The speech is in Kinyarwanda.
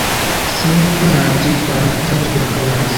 Sinzi uko nabyitwaramo byavuzwe na kamanzi